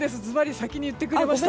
先に言ってくれました。